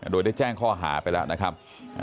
โดยได้แจ้งข้อหาไปแล้วนะครับ